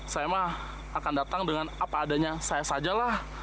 saya mah akan datang dengan apa adanya saya sajalah